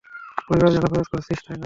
পরিবারের জন্য খরচ করেছিস, তাই না?